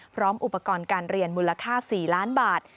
พร้อมอุปกรณ์การเรียนมูลค่า๔ล้านบาท